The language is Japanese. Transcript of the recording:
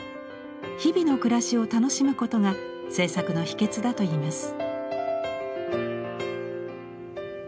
日々の暮らしを楽しむことが制作の秘けつだと言います。